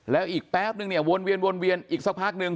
แล้วอีกแป๊บนึงเนี่ยวนเวียนวนเวียนอีกสักพักนึง